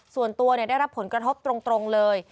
ส่วนตัวได้รับผลกระทบตรงเลย